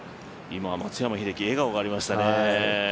今、松山英樹、笑顔がありましたね。